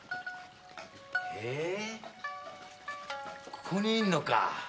ここにいんのか。